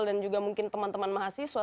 dan juga mungkin teman teman mahasiswa